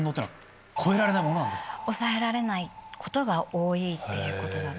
抑えられないことが多いっていうことだと。